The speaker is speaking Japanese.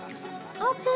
オープン。